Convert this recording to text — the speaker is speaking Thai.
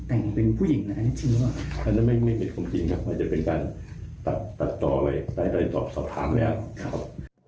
อันนั้นไม่เป็นความจริงครับมันจะเป็นการตัดต่อเลยแต่ให้ตัดสอบถามแล้ว